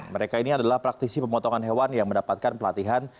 mereka ini adalah praktisi pemotongan hewan yang mendapatkan pelatihan